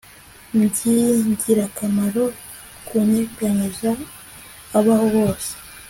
Byingirakamaro kunyeganyeza abaho bose